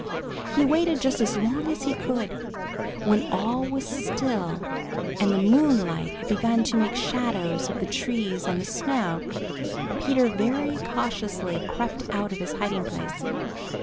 He waited just as long as he could. When all was still, and the moonlight had begun to make shadows of the trees on the snow, Peter very cautiously crept out of his hiding place.